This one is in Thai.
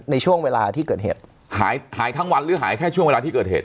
ในช่วงเวลาที่เกิดเหตุหายหายทั้งวันหรือหายแค่ช่วงเวลาที่เกิดเหตุ